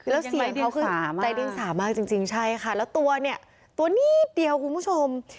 แล้วเสียงเขาคือใจเด้งสามากจริงใช่ค่ะแล้วตัวเนี่ยตัวนิดเดียวคุณผู้ชม